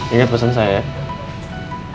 inget pesen saya ya